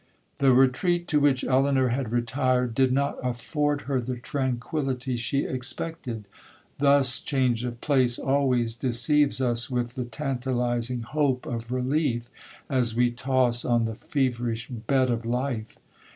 'The retreat to which Elinor had retired, did not afford her the tranquillity she expected. Thus, change of place always deceives us with the tantalizing hope of relief, as we toss on the feverish bed of life.